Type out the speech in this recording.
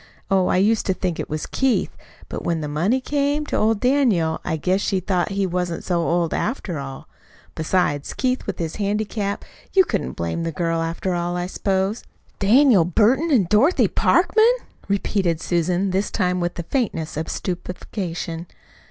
Oh, I used to think it was Keith; but when the money came to old Daniel I guess she thought he wasn't so old, after all. Besides, Keith, with his handicap you couldn't blame the girl, after all, I s'pose." "Daniel Burton an' Dorothy Parkman!" repeated Susan, this time with the faintness of stupefaction.